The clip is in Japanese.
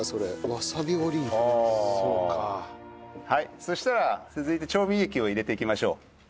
はいそしたら続いて調味液を入れていきましょう。